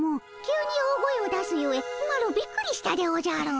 急に大声を出すゆえマロびっくりしたでおじゃる。